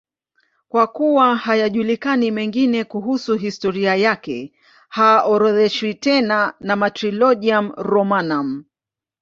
Kwa kuwa hayajulikani mengine kuhusu historia yake, haorodheshwi tena na Martyrologium Romanum.